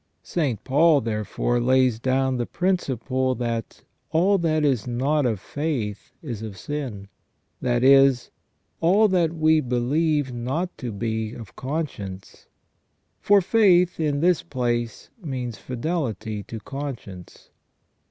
St, Paul, therefore, lays down the principle, that " all that is not of faith is of sin," that is, all that we believe not to be of conscience ; for faith, in this place, means fidelity to conscience.